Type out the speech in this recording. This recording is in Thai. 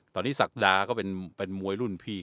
ตอนนี้ศักดาก็เป็นมวยรุ่นพี่